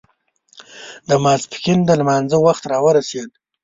د ماسپښين د لمانځه وخت را ورسېد.